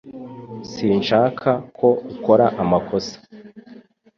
Sinshaka ko ukora amakosa